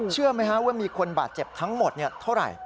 เชื่อไหมว่ามีคนบาดเจ็บทั้งหมดนี่เท่าไหร่